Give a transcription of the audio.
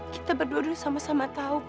kita berdua dulu sama sama tahu